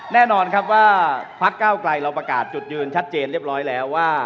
แน่นอนครับว่าพักเก้าไกลเราประกาศจุดยืนชัดเจนเรียบร้อยแล้วว่า